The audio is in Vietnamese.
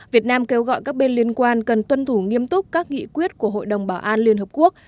việt nam kêu gọi các bên liên quan cần tuân thủ nghiêm túc các nghị quyết của hội đồng bảo an liên hợp quốc